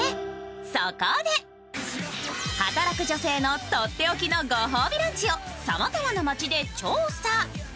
そこで、働く女性のとっておきのご褒美ランチをさまざまな街で調査。